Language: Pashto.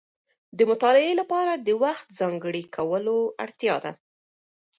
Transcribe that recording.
د مطالعې لپاره د وخت ځانګړی کولو اړتیا ده.